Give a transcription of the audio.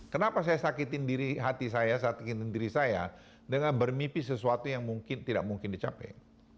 kenapa saya sakitin diri hati saya sakitinin diri saya dengan bermipis sesuatu yang mungkin tidak mungkin dicapai